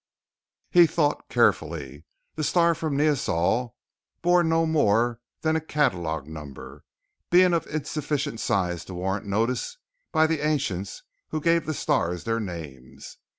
He thought carefully. The star from Sol bore no more than a catalog number, being of insufficient size to warrant notice by the ancients who gave the stars their names.